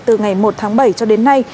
từ ngày một tháng bảy cho đến nay